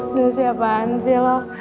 udah siapaan sih lo